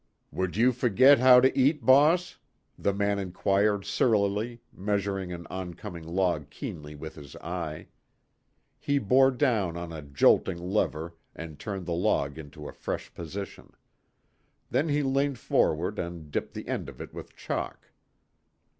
"Would you fergit how t' eat, boss?" the man inquired surlily, measuring an oncoming log keenly with his eye. He bore down on a "jolting" lever and turned the log into a fresh position. Then he leant forward and tipped the end of it with chalk.